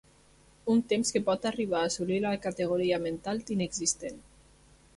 Un temps que pot arribar a assolir la categoria mental d'inexistent.